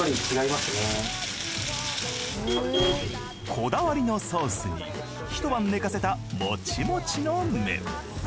こだわりのソースに一晩寝かせたモチモチの麺。